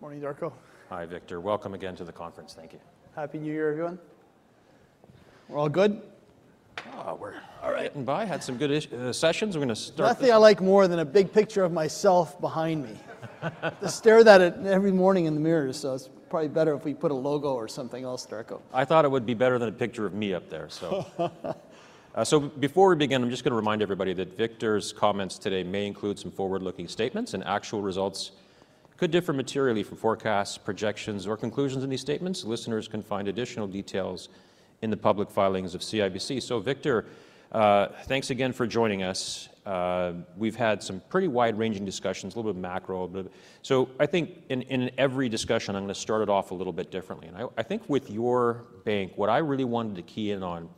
Morning, Darko. Hi, Victor. Welcome again to the conference. Thank you. Happy New Year, everyone. We're all good? We're all right and by. Had some good sessions. We're going to start. Nothing I like more than a big picture of myself behind me. I stare at that every morning in the mirror, so it's probably better if we put a logo or something else, Darko. I thought it would be better than a picture of me up there, so. So before we begin, I'm just going to remind everybody that Victor's comments today may include some forward-looking statements, and actual results could differ materially from forecasts, projections, or conclusions in these statements. Listeners can find additional details in the public filings of CIBC. So Victor, thanks again for joining us. We've had some pretty wide-ranging discussions, a little bit macro. So I think in every discussion, I'm going to start it off a little bit differently. And I think with your bank, what I really wanted to key in on,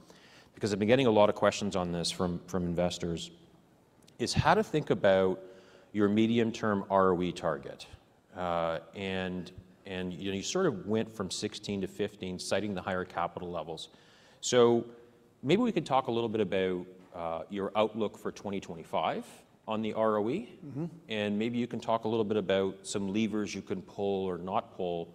because I've been getting a lot of questions on this from investors, is how to think about your medium-term ROE target. And you sort of went from 16 to 15, citing the higher capital levels. So maybe we could talk a little bit about your outlook for 2025 on the ROE. And maybe you can talk a little bit about some levers you can pull or not pull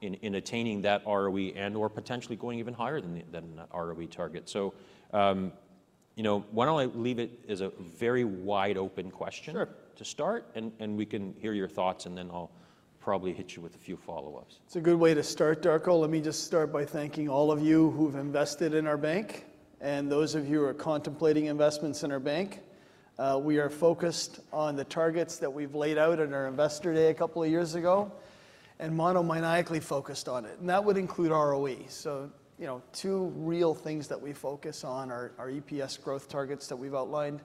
in attaining that ROE and/or potentially going even higher than that ROE target. So why don't I leave it as a very wide-open question to start, and we can hear your thoughts, and then I'll probably hit you with a few follow-ups. It's a good way to start, Darko. Let me just start by thanking all of you who've invested in our bank and those of you who are contemplating investments in our bank. We are focused on the targets that we've laid out in our Investor Day a couple of years ago and monomaniacally focused on it. And that would include ROE. So two real things that we focus on are EPS growth targets that we've outlined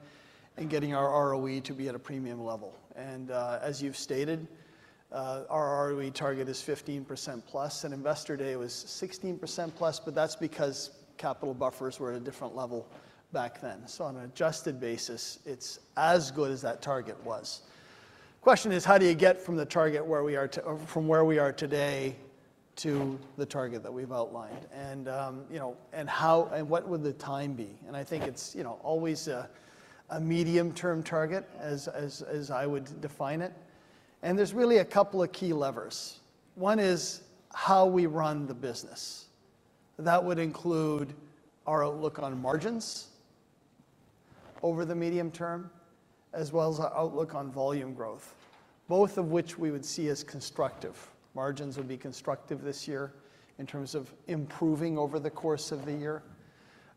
and getting our ROE to be at a premium level. And as you've stated, our ROE target is 15% plus. And Investor Day was 16% plus, but that's because capital buffers were at a different level back then. So on an adjusted basis, it's as good as that target was. The question is, how do you get from the target from where we are today to the target that we've outlined? What would the time be? I think it's always a medium-term target, as I would define it. There's really a couple of key levers. One is how we run the business. That would include our outlook on margins over the medium term, as well as our outlook on volume growth, both of which we would see as constructive. Margins would be constructive this year in terms of improving over the course of the year.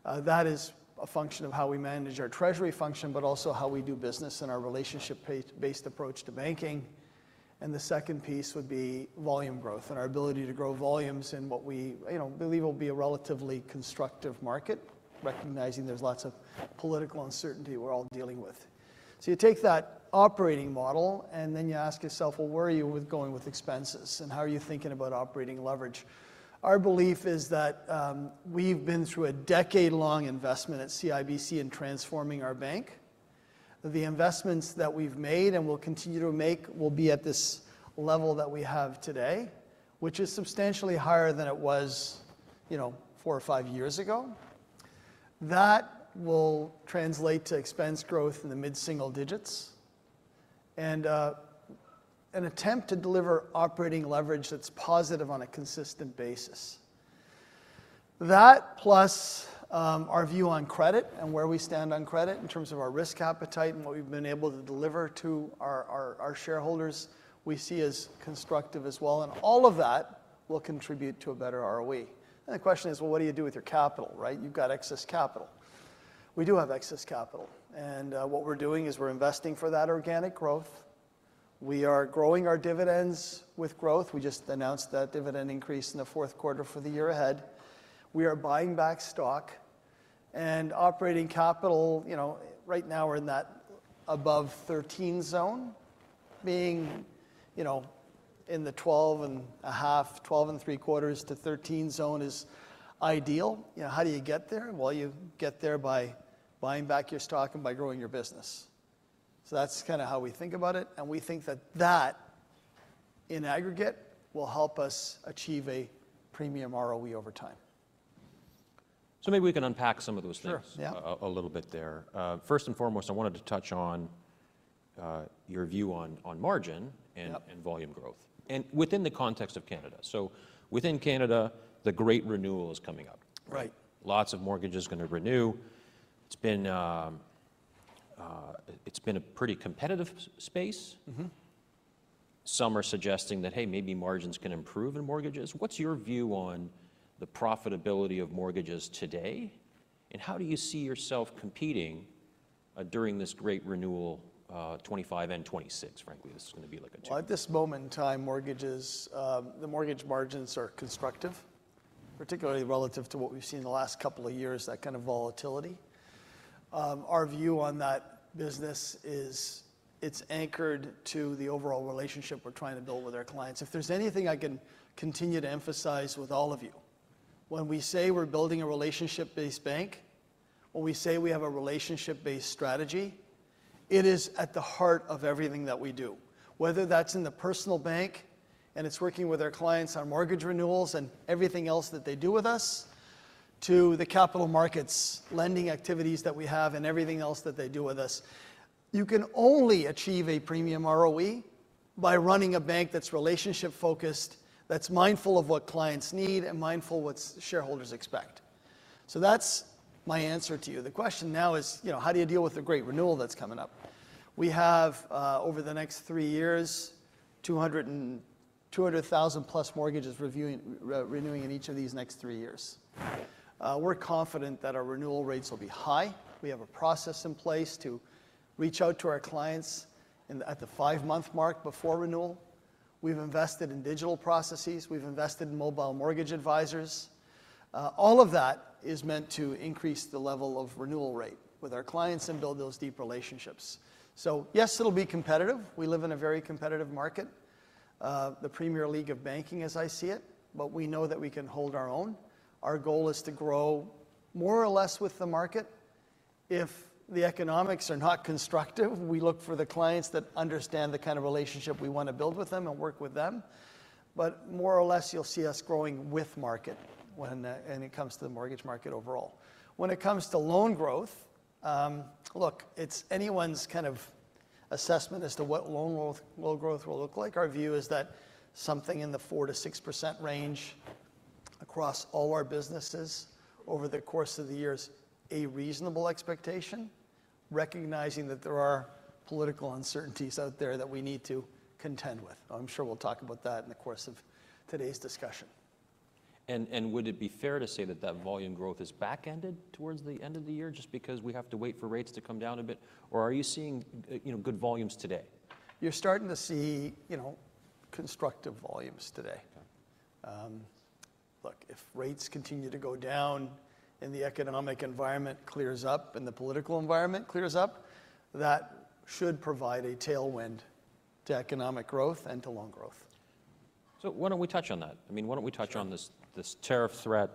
That is a function of how we manage our treasury function, but also how we do business and our relationship-based approach to banking. The second piece would be volume growth and our ability to grow volumes in what we believe will be a relatively constructive market, recognizing there's lots of political uncertainty we're all dealing with. So you take that operating model and then you ask yourself, well, where are you going with expenses and how are you thinking about operating leverage? Our belief is that we've been through a decade-long investment at CIBC in transforming our bank. The investments that we've made and will continue to make will be at this level that we have today, which is substantially higher than it was four or five years ago. That will translate to expense growth in the mid-single digits and an attempt to deliver operating leverage that's positive on a consistent basis. That, plus our view on credit and where we stand on credit in terms of our risk appetite and what we've been able to deliver to our shareholders, we see as constructive as well. And all of that will contribute to a better ROE. The question is, well, what do you do with your capital, right? You've got excess capital. We do have excess capital. What we're doing is we're investing for that organic growth. We are growing our dividends with growth. We just announced that dividend increase in the fourth quarter for the year ahead. We are buying back stock. And operating capital, right now we're in that above 13 zone. Being in the 12.5, 12.75-13 zone is ideal. How do you get there? You get there by buying back your stock and by growing your business. That's kind of how we think about it. We think that that in aggregate will help us achieve a premium ROE over time. So maybe we can unpack some of those things a little bit there. First and foremost, I wanted to touch on your view on margin and volume growth and within the context of Canada. So within Canada, the great renewal is coming up. Right. Lots of mortgages are going to renew. It's been a pretty competitive space. Some are suggesting that, hey, maybe margins can improve in mortgages. What's your view on the profitability of mortgages today? And how do you see yourself competing during this great renewal 2025 and 2026? Frankly, this is going to be like a tough one. At this moment in time, mortgages, the mortgage margins are constructive, particularly relative to what we've seen the last couple of years, that kind of volatility. Our view on that business is it's anchored to the overall relationship we're trying to build with our clients. If there's anything I can continue to emphasize with all of you, when we say we're building a relationship-based bank, when we say we have a relationship-based strategy, it is at the heart of everything that we do. Whether that's in the personal bank and it's working with our clients on mortgage renewals and everything else that they do with us to the capital markets, lending activities that we have and everything else that they do with us, you can only achieve a premium ROE by running a bank that's relationship-focused, that's mindful of what clients need and mindful of what shareholders expect. So that's my answer to you. The question now is, how do you deal with the great renewal that's coming up? We have, over the next three years, 200,000-plus mortgages renewing in each of these next three years. We're confident that our renewal rates will be high. We have a process in place to reach out to our clients at the five-month mark before renewal. We've invested in digital processes. We've invested in mobile mortgage advisors. All of that is meant to increase the level of renewal rate with our clients and build those deep relationships. So yes, it'll be competitive. We live in a very competitive market, the Premier League of banking, as I see it, but we know that we can hold our own. Our goal is to grow more or less with the market. If the economics are not constructive, we look for the clients that understand the kind of relationship we want to build with them and work with them. But more or less, you'll see us growing with market when it comes to the mortgage market overall. When it comes to loan growth, look, it's anyone's kind of assessment as to what loan growth will look like. Our view is that something in the 4%-6% range across all our businesses over the course of the year is a reasonable expectation, recognizing that there are political uncertainties out there that we need to contend with. I'm sure we'll talk about that in the course of today's discussion. And would it be fair to say that that volume growth is back-ended towards the end of the year just because we have to wait for rates to come down a bit? Or are you seeing good volumes today? You're starting to see constructive volumes today. Look, if rates continue to go down and the economic environment clears up and the political environment clears up, that should provide a tailwind to economic growth and to loan growth. So why don't we touch on that? I mean, why don't we touch on this tariff threat,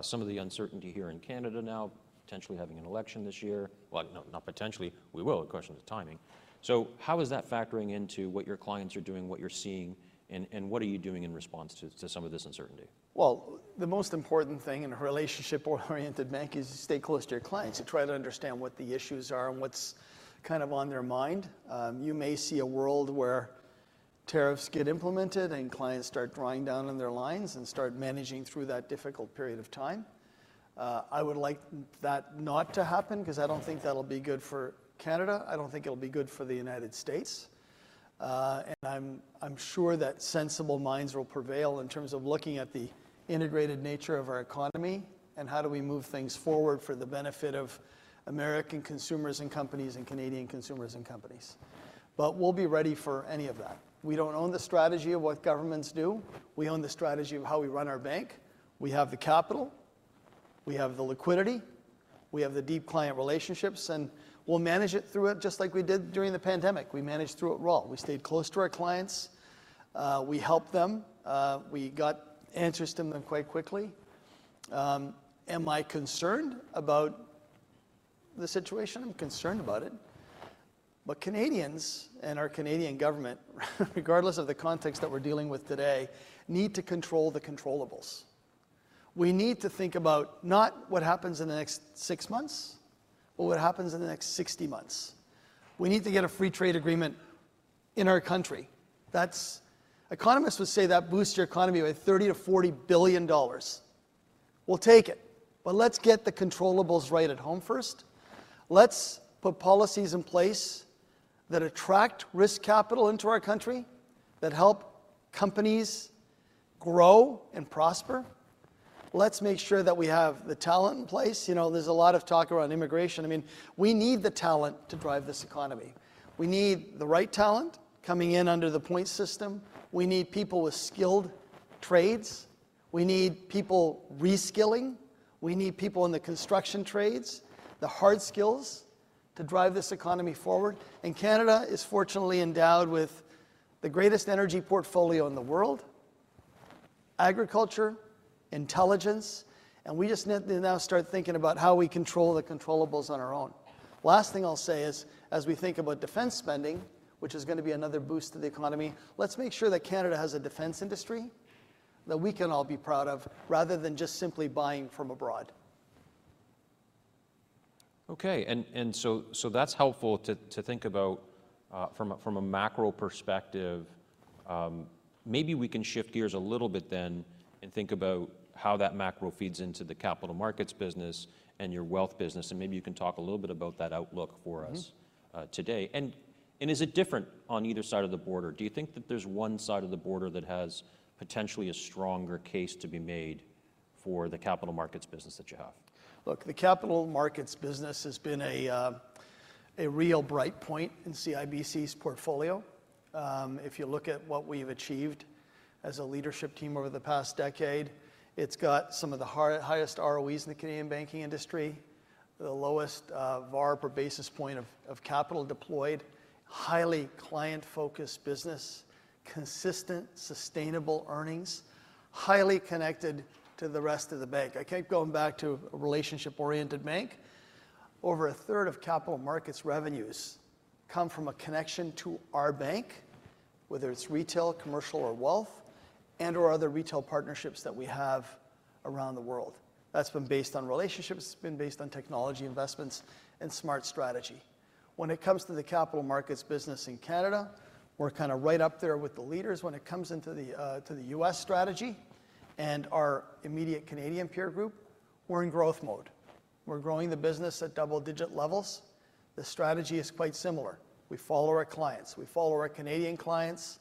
some of the uncertainty here in Canada now, potentially having an election this year? Well, not potentially. We will. The question is timing. So how is that factoring into what your clients are doing, what you're seeing, and what are you doing in response to some of this uncertainty? The most important thing in a relationship-oriented bank is you stay close to your clients. You try to understand what the issues are and what's kind of on their mind. You may see a world where tariffs get implemented and clients start drawing down on their lines and start managing through that difficult period of time. I would like that not to happen because I don't think that'll be good for Canada. I don't think it'll be good for the United States, and I'm sure that sensible minds will prevail in terms of looking at the integrated nature of our economy and how do we move things forward for the benefit of American consumers and companies and Canadian consumers and companies, but we'll be ready for any of that. We don't own the strategy of what governments do. We own the strategy of how we run our bank. We have the capital. We have the liquidity. We have the deep client relationships, and we'll manage it through it just like we did during the pandemic. We managed through it well. We stayed close to our clients. We helped them. We got answers to them quite quickly. Am I concerned about the situation? I'm concerned about it, but Canadians and our Canadian government, regardless of the context that we're dealing with today, need to control the controllables. We need to think about not what happens in the next six months, but what happens in the next 60 months. We need to get a free trade agreement in our country. Economists would say that boosts your economy by 30-40 billion dollars. We'll take it, but let's get the controllables right at home first. Let's put policies in place that attract risk capital into our country, that help companies grow and prosper. Let's make sure that we have the talent in place. There's a lot of talk around immigration. I mean, we need the talent to drive this economy. We need the right talent coming in under the point system. We need people with skilled trades. We need people reskilling. We need people in the construction trades, the hard skills to drive this economy forward. And Canada is fortunately endowed with the greatest energy portfolio in the world, agriculture, intelligence. And we just need to now start thinking about how we control the controllables on our own. Last thing I'll say is, as we think about defense spending, which is going to be another boost to the economy, let's make sure that Canada has a defense industry that we can all be proud of rather than just simply buying from abroad. Okay. And so that's helpful to think about from a macro perspective. Maybe we can shift gears a little bit then and think about how that macro feeds into the capital markets business and your wealth business. And maybe you can talk a little bit about that outlook for us today. And is it different on either side of the border? Do you think that there's one side of the border that has potentially a stronger case to be made for the capital markets business that you have? Look, the capital markets business has been a real bright point in CIBC's portfolio. If you look at what we've achieved as a leadership team over the past decade, it's got some of the highest ROEs in the Canadian banking industry, the lowest VaR per basis point of capital deployed, highly client-focused business, consistent, sustainable earnings, highly connected to the rest of the bank. I keep going back to a relationship-oriented bank. Over a third of capital markets revenues come from a connection to our bank, whether it's retail, commercial, or wealth, and/or other retail partnerships that we have around the world. That's been based on relationships. It's been based on technology investments and smart strategy. When it comes to the capital markets business in Canada, we're kind of right up there with the leaders when it comes into the U.S. strategy and our immediate Canadian peer group. We're in growth mode. We're growing the business at double-digit levels. The strategy is quite similar. We follow our clients. We follow our Canadian clients.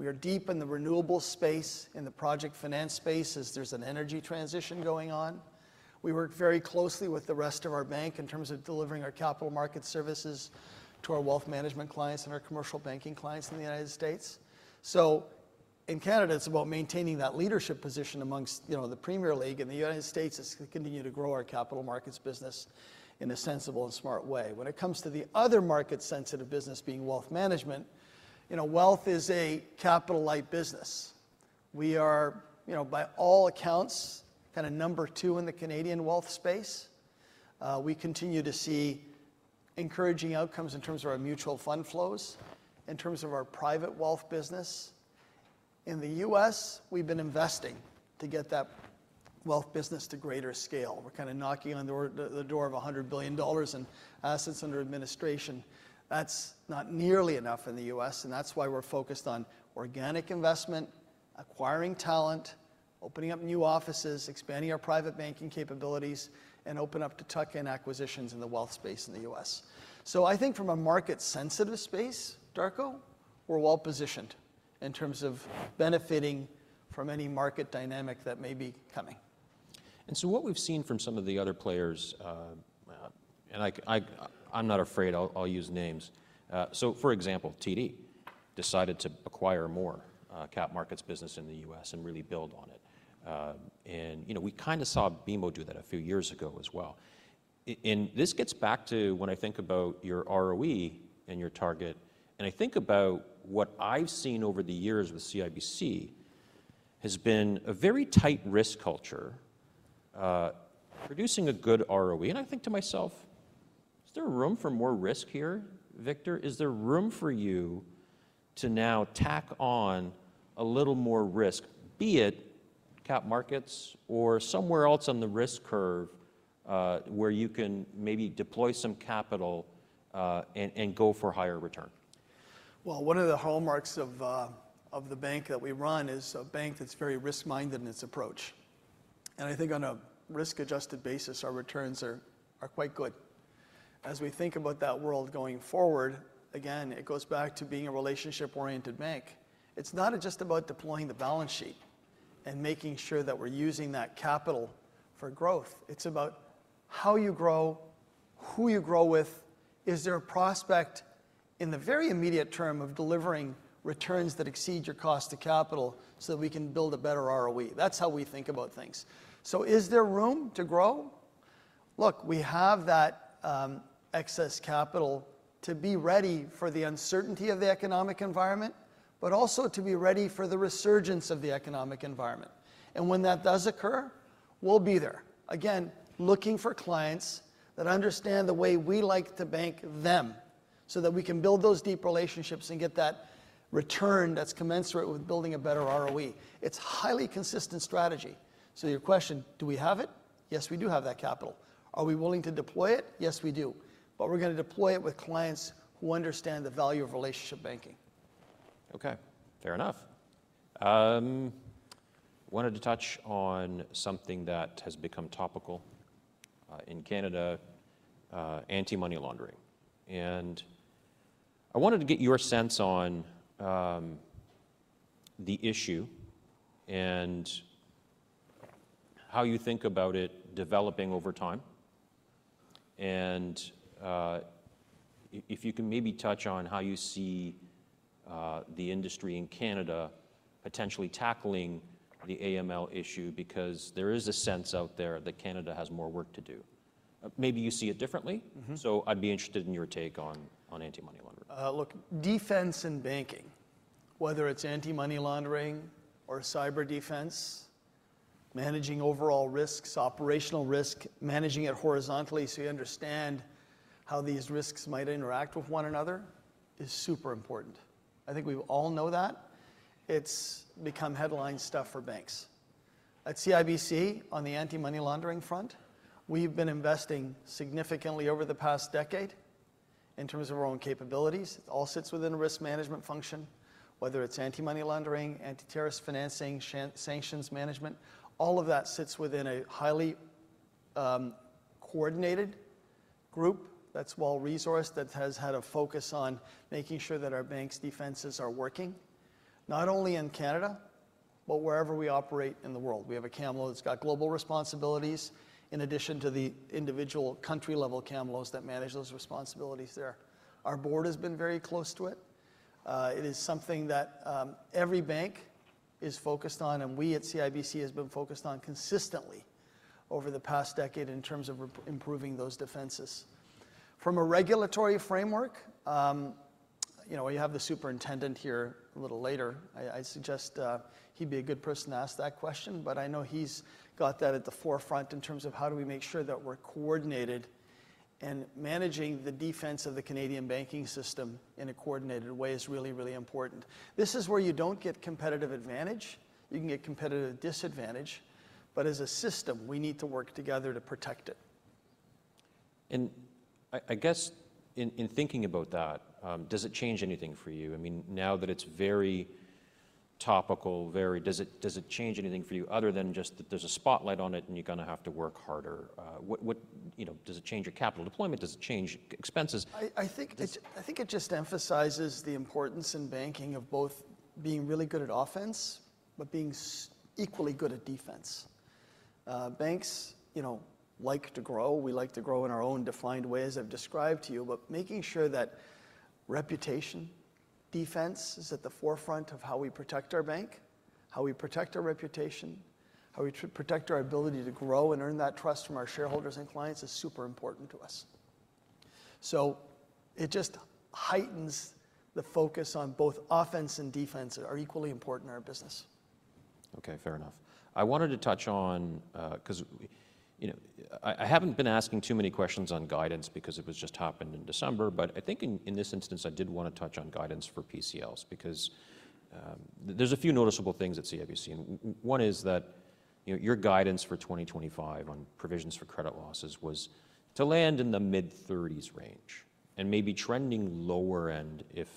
We are deep in the renewable space, in the project finance space as there's an energy transition going on. We work very closely with the rest of our bank in terms of delivering our capital market services to our wealth management clients and our commercial banking clients in the United States. So in Canada, it's about maintaining that leadership position amongst the Premier League. In the United States, it's to continue to grow our capital markets business in a sensible and smart way. When it comes to the other market-sensitive business, being wealth management, wealth is a capital-light business. We are, by all accounts, kind of number two in the Canadian wealth space. We continue to see encouraging outcomes in terms of our mutual fund flows, in terms of our private wealth business. In the U.S., we've been investing to get that wealth business to greater scale. We're kind of knocking on the door of $100 billion in assets under administration. That's not nearly enough in the U.S. And that's why we're focused on organic investment, acquiring talent, opening up new offices, expanding our private banking capabilities, and opening up to tuck-in acquisitions in the wealth space in the U.S. So I think from a market-sensitive space, Darko, we're well-positioned in terms of benefiting from any market dynamic that may be coming. And so what we've seen from some of the other players, and I'm not afraid, I'll use names. So for example, TD decided to acquire more cap markets business in the U.S. and really build on it. And we kind of saw BMO do that a few years ago as well. And this gets back to when I think about your ROE and your target. And I think about what I've seen over the years with CIBC has been a very tight risk culture producing a good ROE. And I think to myself, is there room for more risk here, Victor? Is there room for you to now tack on a little more risk, be it cap markets or somewhere else on the risk curve where you can maybe deploy some capital and go for higher return? One of the hallmarks of the bank that we run is a bank that's very risk-minded in its approach. I think on a risk-adjusted basis, our returns are quite good. As we think about that world going forward, again, it goes back to being a relationship-oriented bank. It's not just about deploying the balance sheet and making sure that we're using that capital for growth. It's about how you grow, who you grow with, is there a prospect in the very immediate term of delivering returns that exceed your cost to capital so that we can build a better ROE. That's how we think about things. Is there room to grow? Look, we have that excess capital to be ready for the uncertainty of the economic environment, but also to be ready for the resurgence of the economic environment. When that does occur, we'll be there. Again, looking for clients that understand the way we like to bank them so that we can build those deep relationships and get that return that's commensurate with building a better ROE. It's a highly consistent strategy. So your question, do we have it? Yes, we do have that capital. Are we willing to deploy it? Yes, we do. But we're going to deploy it with clients who understand the value of relationship banking. Okay. Fair enough. I wanted to touch on something that has become topical in Canada, anti-money laundering. And I wanted to get your sense on the issue and how you think about it developing over time. And if you can maybe touch on how you see the industry in Canada potentially tackling the AML issue, because there is a sense out there that Canada has more work to do. Maybe you see it differently. So I'd be interested in your take on anti-money laundering. Look, defense and banking, whether it's anti-money laundering or cyber defense, managing overall risks, operational risk, managing it horizontally so you understand how these risks might interact with one another is super important. I think we all know that. It's become headline stuff for banks. At CIBC, on the anti-money laundering front, we've been investing significantly over the past decade in terms of our own capabilities. It all sits within a risk management function, whether it's anti-money laundering, anti-terrorist financing, sanctions management. All of that sits within a highly coordinated group that's well-resourced, that has had a focus on making sure that our bank's defenses are working, not only in Canada, but wherever we operate in the world. We have a CAMLO that's got global responsibilities in addition to the individual country-level CAMLOs that manage those responsibilities there. Our board has been very close to it. It is something that every bank is focused on, and we at CIBC have been focused on consistently over the past decade in terms of improving those defenses. From a regulatory framework, you have the superintendent here a little later. I suggest he'd be a good person to ask that question, but I know he's got that at the forefront in terms of how do we make sure that we're coordinated and managing the defense of the Canadian banking system in a coordinated way is really, really important. This is where you don't get competitive advantage. You can get competitive disadvantage. But as a system, we need to work together to protect it. I guess in thinking about that, does it change anything for you? I mean, now that it's very topical, does it change anything for you other than just that there's a spotlight on it and you're going to have to work harder? Does it change your capital deployment? Does it change expenses? I think it just emphasizes the importance in banking of both being really good at offense but being equally good at defense. Banks like to grow. We like to grow in our own defined ways I've described to you. But making sure that reputation, defense is at the forefront of how we protect our bank, how we protect our reputation, how we protect our ability to grow and earn that trust from our shareholders and clients is super important to us. So it just heightens the focus on both offense and defense that are equally important in our business. Okay. Fair enough. I wanted to touch on because I haven't been asking too many questions on guidance because it just happened in December. But I think in this instance, I did want to touch on guidance for PCLs because there's a few noticeable things at CIBC. And one is that your guidance for 2025 on provisions for credit losses was to land in the mid-30s range and maybe trending lower end if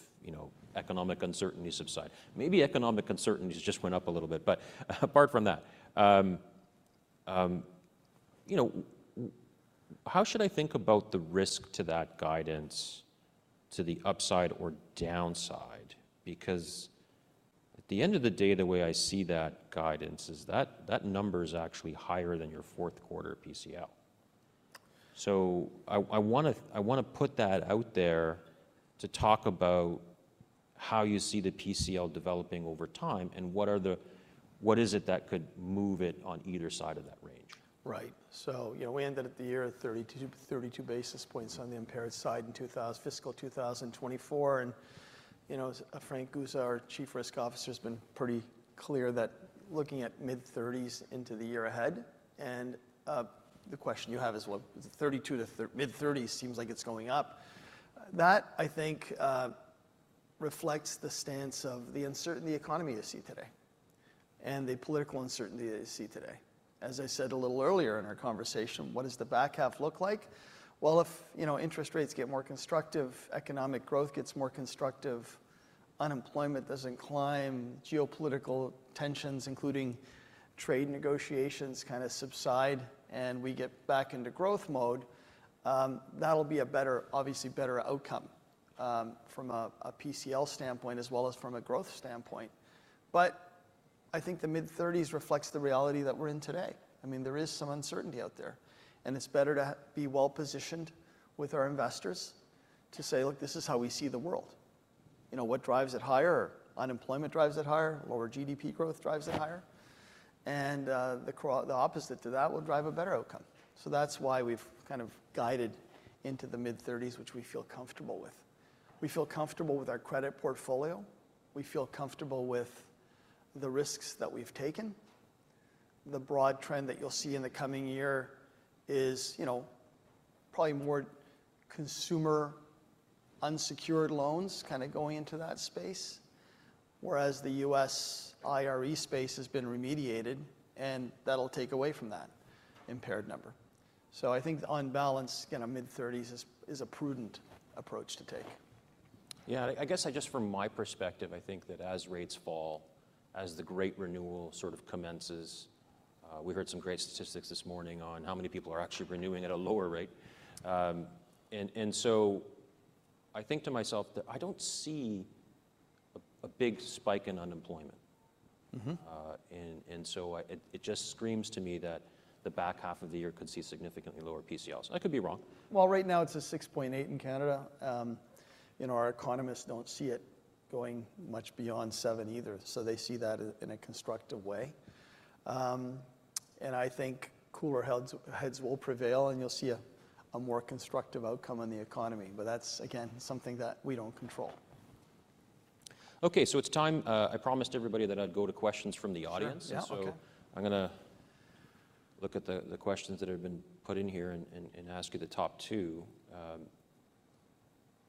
economic uncertainties subside. Maybe economic uncertainties just went up a little bit. But apart from that, how should I think about the risk to that guidance, to the upside or downside? Because at the end of the day, the way I see that guidance is that number is actually higher than your fourth quarter PCL. I want to put that out there to talk about how you see the PCL developing over time and what is it that could move it on either side of that range? Right. We ended the year at 32 basis points on the impaired side in fiscal 2024. Frank Guse, our Chief Risk Officer, has been pretty clear that looking at mid-30s into the year ahead. The question you have is, well, 32 to mid-30s seems like it's going up. That, I think, reflects the stance of the uncertainty economy you see today and the political uncertainty that you see today. As I said a little earlier in our conversation, what does the back half look like? Well, if interest rates get more constructive, economic growth gets more constructive, unemployment doesn't climb, geopolitical tensions, including trade negotiations, kind of subside, and we get back into growth mode, that'll be a better, obviously better outcome from a PCL standpoint as well as from a growth standpoint. But I think the mid-30s reflects the reality that we're in today. I mean, there is some uncertainty out there. And it's better to be well-positioned with our investors to say, look, this is how we see the world. What drives it higher? Unemployment drives it higher. Lower GDP growth drives it higher. And the opposite to that will drive a better outcome. So that's why we've kind of guided into the mid-30s, which we feel comfortable with. We feel comfortable with our credit portfolio. We feel comfortable with the risks that we've taken. The broad trend that you'll see in the coming year is probably more consumer unsecured loans kind of going into that space, whereas the U.S. CRE space has been remediated, and that'll take away from that impaired number. So I think on balance, mid-30s is a prudent approach to take. Yeah. I guess just from my perspective, I think that as rates fall, as the great renewal sort of commences, we heard some great statistics this morning on how many people are actually renewing at a lower rate. And so I think to myself that I don't see a big spike in unemployment. And so it just screams to me that the back half of the year could see significantly lower PCLs. I could be wrong. Right now it's a 6.8 in Canada. Our economists don't see it going much beyond seven either. They see that in a constructive way. I think cooler heads will prevail, and you'll see a more constructive outcome in the economy. That's, again, something that we don't control. Okay. So it's time. I promised everybody that I'd go to questions from the audience. So I'm going to look at the questions that have been put in here and ask you the top two.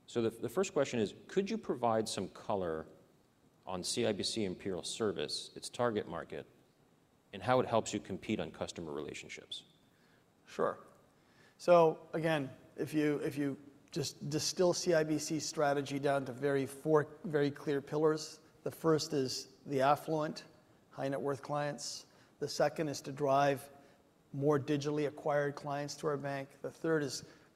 So the first question is, could you provide some color on CIBC Imperial Service, its target market, and how it helps you compete on customer relationships? Sure. So again, if you just distill CIBC strategy down to very clear pillars, the first is the affluent, high-net-worth clients. The second is to drive more digitally acquired clients to our bank. The third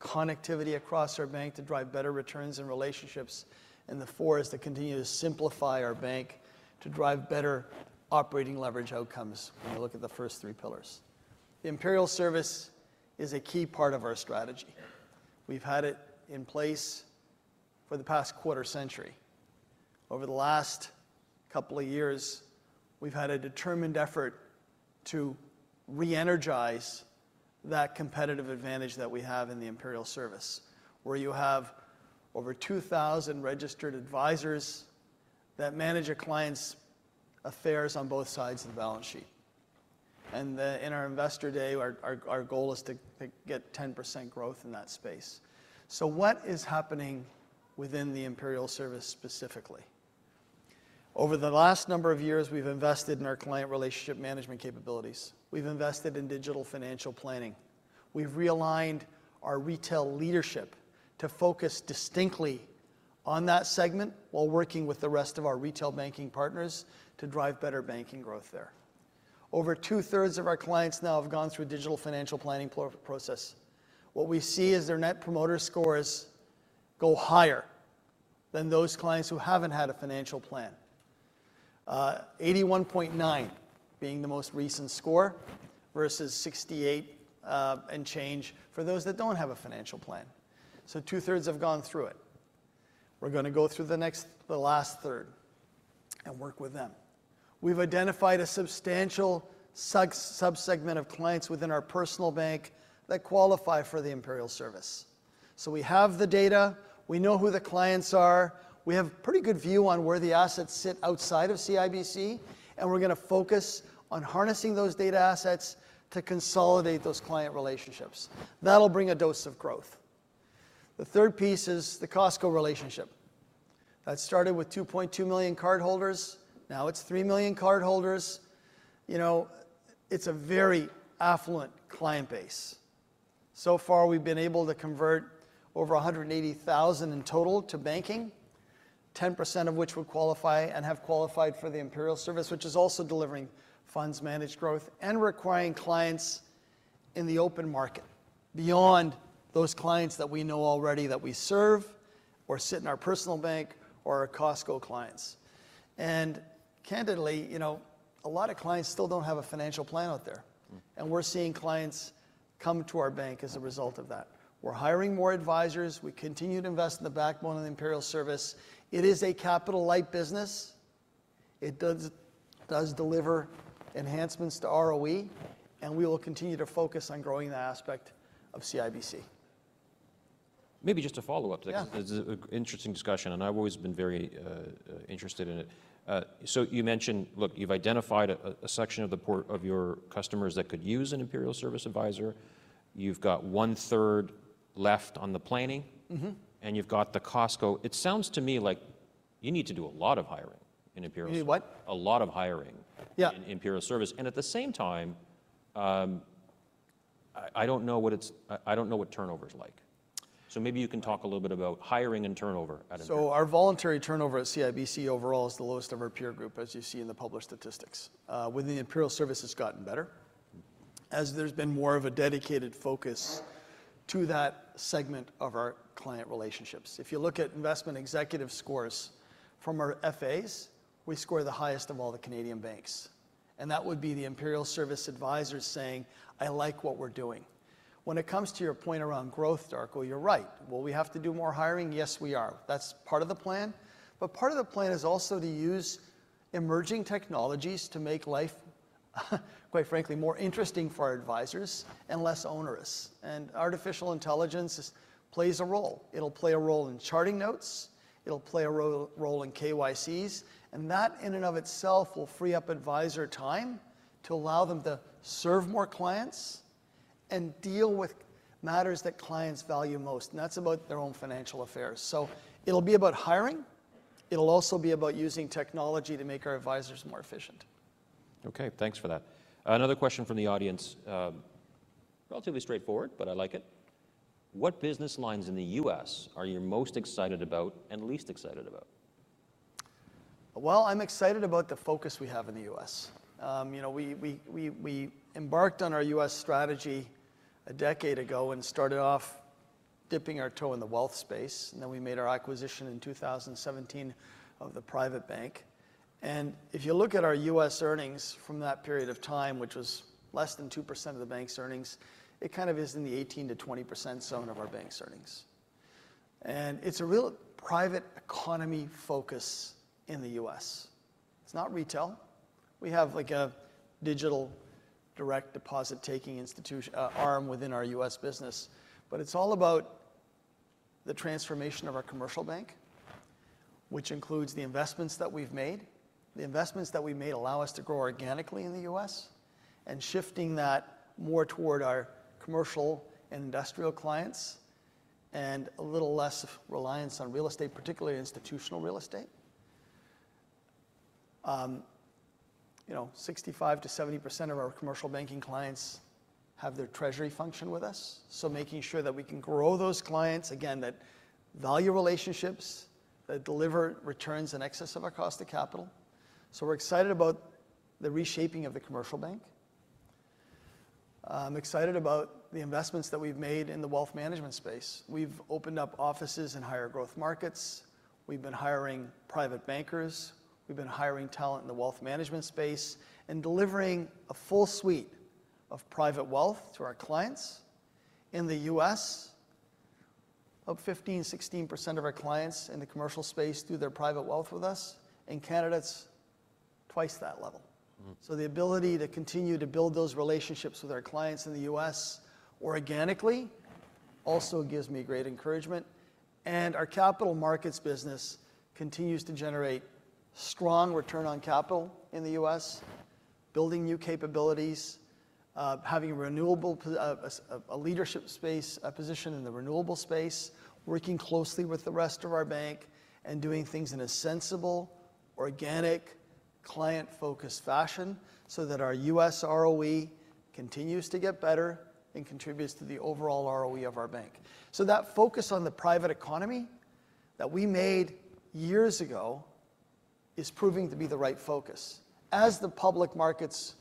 is connectivity across our bank to drive better returns and relationships. And the fourth is to continue to simplify our bank to drive better operating leverage outcomes when you look at the first three pillars. The Imperial Service is a key part of our strategy. We've had it in place for the past quarter century. Over the last couple of years, we've had a determined effort to re-energize that competitive advantage that we have in the Imperial Service, where you have over 2,000 registered advisors that manage a client's affairs on both sides of the balance sheet. And in our investor day, our goal is to get 10% growth in that space. So what is happening within the Imperial Service specifically? Over the last number of years, we've invested in our client relationship management capabilities. We've invested in digital financial planning. We've realigned our retail leadership to focus distinctly on that segment while working with the rest of our retail banking partners to drive better banking growth there. Over two-thirds of our clients now have gone through a digital financial planning process. What we see is their Net Promoter Scores go higher than those clients who haven't had a financial plan, 81.9 being the most recent score versus 68 and change for those that don't have a financial plan. So two-thirds have gone through it. We're going to go through the last third and work with them. We've identified a substantial subsegment of clients within our personal bank that qualify for the Imperial Service. So we have the data. We know who the clients are. We have a pretty good view on where the assets sit outside of CIBC, and we're going to focus on harnessing those data assets to consolidate those client relationships. That'll bring a dose of growth. The third piece is the Costco relationship. That started with 2.2 million cardholders. Now it's 3 million cardholders. It's a very affluent client base. So far, we've been able to convert over 180,000 in total to banking, 10% of which would qualify and have qualified for the Imperial Service, which is also delivering funds managed growth and acquiring clients in the open market beyond those clients that we know already that we serve or sit in our personal bank or our Costco clients, and candidly, a lot of clients still don't have a financial plan out there. We're seeing clients come to our bank as a result of that. We're hiring more advisors. We continue to invest in the backbone of the Imperial Service. It is a capital-light business. It does deliver enhancements to ROE. We will continue to focus on growing the aspect of CIBC. Maybe just a follow-up. This is an interesting discussion, and I've always been very interested in it. So you mentioned, look, you've identified a section of your customers that could use an Imperial Service advisor. You've got one-third left on the planning, and you've got the Costco. It sounds to me like you need to do a lot of hiring in Imperial Service. You need what? A lot of hiring in Imperial Service. And at the same time, I don't know what turnovers are like. So maybe you can talk a little bit about hiring and turnover at Imperial. So our voluntary turnover at CIBC overall is the lowest of our peer group, as you see in the published statistics. Within the Imperial Service, it's gotten better as there's been more of a dedicated focus to that segment of our client relationships. If you look at Investment Executive scores from our FAs, we score the highest of all the Canadian banks. And that would be the Imperial Service advisors saying, "I like what we're doing." When it comes to your point around growth, Darko, you're right. Will we have to do more hiring? Yes, we are. That's part of the plan. But part of the plan is also to use emerging technologies to make life, quite frankly, more interesting for our advisors and less onerous. And artificial intelligence plays a role. It'll play a role in charting notes. It'll play a role in KYCs. And that in and of itself will free up advisor time to allow them to serve more clients and deal with matters that clients value most. And that's about their own financial affairs. So it'll be about hiring. It'll also be about using technology to make our advisors more efficient. Okay. Thanks for that. Another question from the audience, relatively straightforward, but I like it. What business lines in the U.S. are you most excited about and least excited about? I'm excited about the focus we have in the U.S. We embarked on our U.S. strategy a decade ago and started off dipping our toe in the wealth space. Then we made our acquisition in 2017 of the private bank. If you look at our U.S. earnings from that period of time, which was less than 2% of the bank's earnings, it kind of is in the 18%-20% zone of our bank's earnings. It's a real private economy focus in the U.S. It's not retail. We have a digital direct deposit-taking arm within our U.S. business. It's all about the transformation of our commercial bank, which includes the investments that we've made. The investments that we've made allow us to grow organically in the U.S. and shifting that more toward our commercial and industrial clients and a little less reliance on real estate, particularly institutional real estate. 65%-70% of our commercial banking clients have their treasury function with us, so making sure that we can grow those clients, again, that value relationships that deliver returns in excess of our cost of capital, so we're excited about the reshaping of the commercial bank. I'm excited about the investments that we've made in the wealth management space. We've opened up offices in higher growth markets. We've been hiring private bankers. We've been hiring talent in the wealth management space and delivering a full suite of private wealth to our clients in the U.S., up 15%-16% of our clients in the commercial space do their private wealth with us. In Canada, it's twice that level. So the ability to continue to build those relationships with our clients in the U.S. organically also gives me great encouragement. And our capital markets business continues to generate strong return on capital in the U.S., building new capabilities, having a leadership space position in the renewable space, working closely with the rest of our bank, and doing things in a sensible, organic, client-focused fashion so that our U.S. ROE continues to get better and contributes to the overall ROE of our bank. So that focus on the private economy that we made years ago is proving to be the right focus as the public markets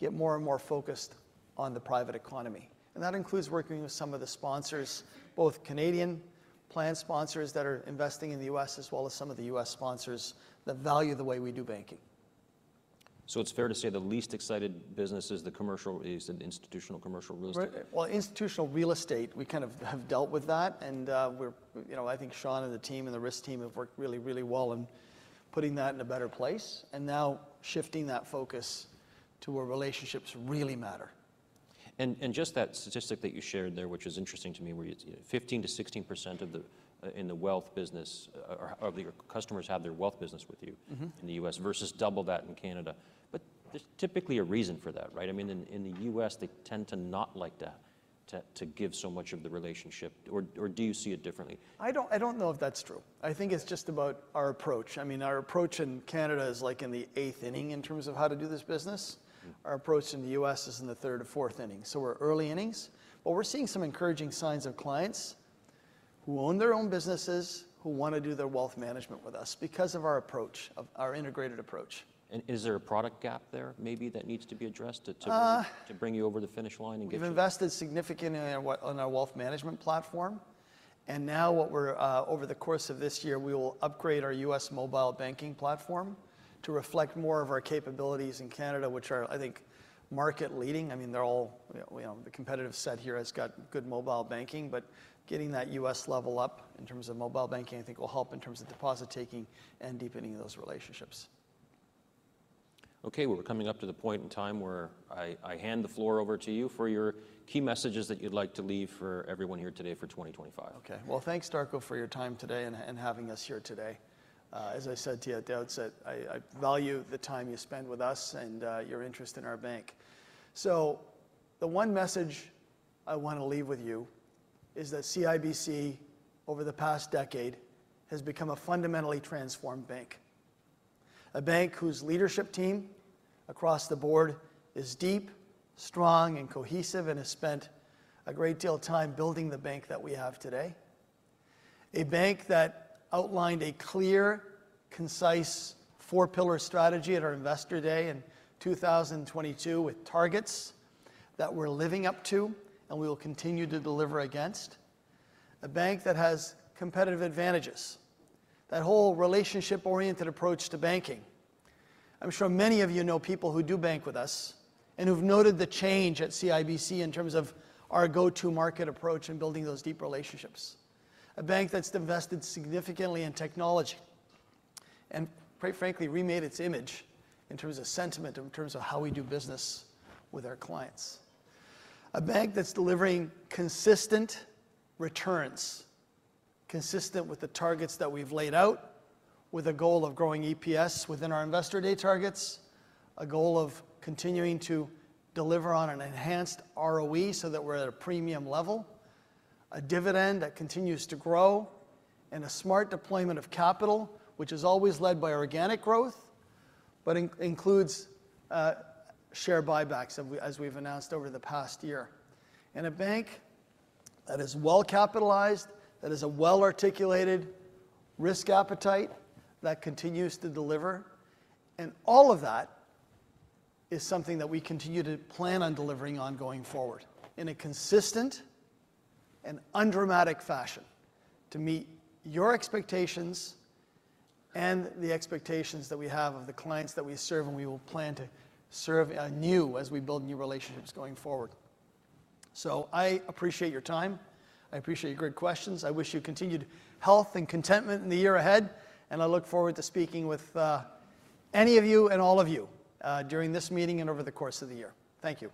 get more and more focused on the private economy. That includes working with some of the sponsors, both Canadian plan sponsors that are investing in the U.S. as well as some of the U.S. sponsors that value the way we do banking. So it's fair to say the least excited business is the institutional commercial real estate? Institutional real estate, we kind of have dealt with that. I think Shawn and the team and the risk team have worked really, really well in putting that in a better place and now shifting that focus to where relationships really matter. And just that statistic that you shared there, which was interesting to me, where 15%-16% in the wealth business, or the customers have their wealth business with you in the U.S. versus double that in Canada. But there's typically a reason for that, right? I mean, in the U.S., they tend to not like to give so much of the relationship. Or do you see it differently? I don't know if that's true. I think it's just about our approach. I mean, our approach in Canada is like in the eighth inning in terms of how to do this business. Our approach in the U.S. is in the third or fourth inning. So we're early innings. But we're seeing some encouraging signs of clients who own their own businesses, who want to do their wealth management with us because of our approach, our integrated approach. Is there a product gap there maybe that needs to be addressed to bring you over the finish line and get you? We've invested significantly in our wealth management platform. Now over the course of this year, we will upgrade our U.S. mobile banking platform to reflect more of our capabilities in Canada, which are, I think, market-leading. I mean, the competitive set here has got good mobile banking. Getting that U.S. level up in terms of mobile banking, I think, will help in terms of deposit-taking and deepening those relationships. Okay. Well, we're coming up to the point in time where I hand the floor over to you for your key messages that you'd like to leave for everyone here today for 2025. Okay. Well, thanks, Darko, for your time today and having us here today. As I said to you at the outset, I value the time you spend with us and your interest in our bank. So the one message I want to leave with you is that CIBC, over the past decade, has become a fundamentally transformed bank, a bank whose leadership team across the board is deep, strong, and cohesive and has spent a great deal of time building the bank that we have today, a bank that outlined a clear, concise four-pillar strategy at our investor day in 2022 with targets that we're living up to and we will continue to deliver against, a bank that has competitive advantages, that whole relationship-oriented approach to banking. I'm sure many of you know people who do bank with us and who've noted the change at CIBC in terms of our go-to-market approach and building those deep relationships, a bank that's invested significantly in technology and, quite frankly, remade its image in terms of sentiment, in terms of how we do business with our clients, a bank that's delivering consistent returns, consistent with the targets that we've laid out, with a goal of growing EPS within our investor day targets, a goal of continuing to deliver on an enhanced ROE so that we're at a premium level, a dividend that continues to grow, and a smart deployment of capital, which is always led by organic growth but includes share buybacks, as we've announced over the past year, and a bank that is well-capitalized, that has a well-articulated risk appetite, that continues to deliver. And all of that is something that we continue to plan on delivering on going forward in a consistent and undramatic fashion to meet your expectations and the expectations that we have of the clients that we serve, and we will plan to serve anew as we build new relationships going forward. So I appreciate your time. I appreciate your great questions. I wish you continued health and contentment in the year ahead. And I look forward to speaking with any of you and all of you during this meeting and over the course of the year. Thank you.